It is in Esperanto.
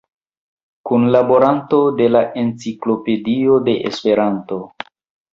Kunlaboranto de la Enciklopedio de Esperanto.